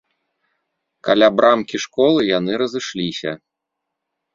Каля брамкі школы яны разышліся.